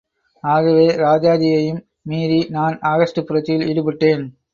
ஆகவே ராஜாஜியையும் மீறி நான் ஆகஸ்ட் புரட்சியில் ஈடுபட்டேன்.